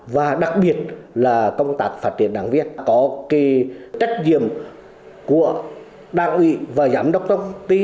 và đặc biệt là công tác phát triển đảng viên có trách nhiệm của đảng ủy và giám đốc công ty